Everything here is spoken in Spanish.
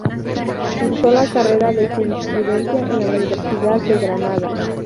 Cursó la Carrera de Jurisprudencia en la Universidad de Granada.